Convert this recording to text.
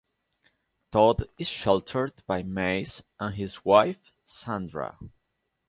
Todd is sheltered by Mace and his wife Sandra.